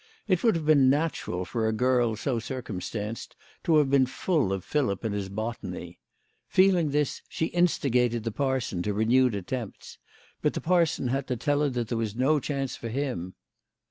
It would have been natural for a girl so circumstanced to have been full of Philip and his botany. Feeling this she instigated the parson to renewed attempts ; but the parson had to tell her that there was no chance for him.